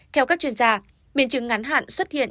theo các chuyên gia biến chứng ngắn hạn xuất hiện